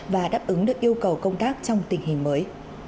và đáp ứng được yêu cầu công tác trong tình hình mới